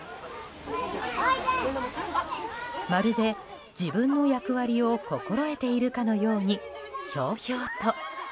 まるで自分の役割を心得ているかのようにひょうひょうと。